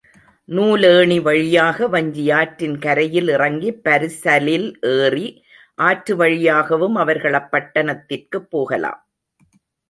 நூலேணி வழியாக வஞ்சியாற்றின் கரையில் இறங்கிப் பரிசலில் ஏறி, ஆற்று வழியாகவும் அவர்கள் அப்பட்டணத்திற்குப் போகலாம்.